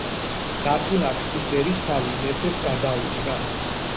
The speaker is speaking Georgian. დათუნა ქსნის ერისთავი მეფეს გადაუდგა.